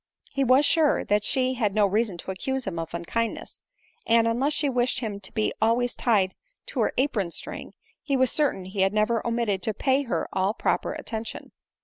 He was sure that she had no reason to accuse him of unkindness ; and, unless she wished him to be always tied to her apron string, he was certain he had never omitted to pay her all proper attention.